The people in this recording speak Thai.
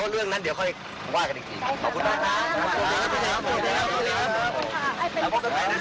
ว่ากันอีกนะครับ